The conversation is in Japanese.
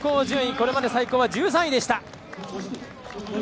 これまで最高は１３位でした。